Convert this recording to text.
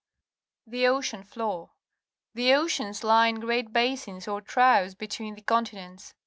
The Ocean Floor. — The oceans lie in great basins, or troughs, between the conti nents.